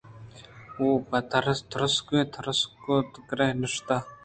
ءُ پہ تُرسگوتُرسگوکِرّا ئےِ شُت